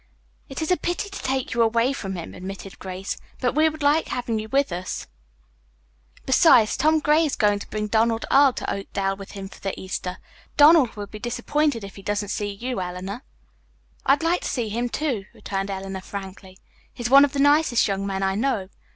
"It is a pity to take you away from him," admitted Grace, "but we would like to have you with us. Besides, Tom Gray is going to bring Donald Earle to Oakdale with him for the Easter. Donald will be so disappointed if he doesn't see you, Eleanor." "I'd like to see him, too," returned Eleanor frankly. "He is one of the nicest young men I know.